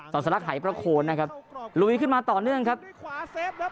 สรรคหายพระโคนนะครับลุยขึ้นมาต่อเนื่องนะครับ